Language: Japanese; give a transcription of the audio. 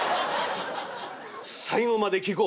最後まで聞こう！」。